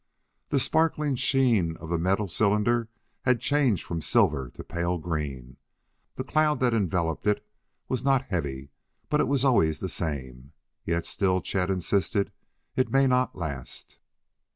The sparkling sheen of the metal cylinder had changed from silver to pale green. The cloud that enveloped it was not heavy, but it was always the same. Yet still Chet insisted: "It may not last."